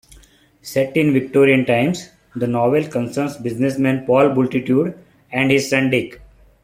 Set in Victorian times, the novel concerns businessman Paul Bultitude and his son Dick.